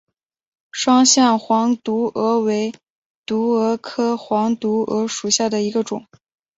双线黄毒蛾为毒蛾科黄毒蛾属下的一个种。